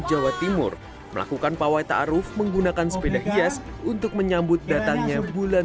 jawa timur melakukan pawaita aruf menggunakan sepeda hias untuk menyambut datangnya bulan